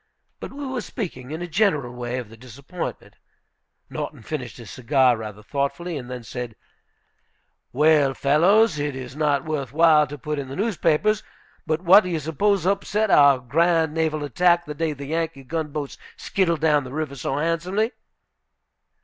But we were speaking, in a general way, of the disappointment. Norton finished his cigar rather thoughtfully, and then said: "Well, fellows, it is not worth while to put in the newspapers, but what do you suppose upset our grand naval attack, the day the Yankee gunboats skittled down the river so handsomely?"